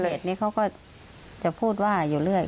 แต่ในเม็ดนี้เขาก็จะพูดว่าอยู่เรื่อย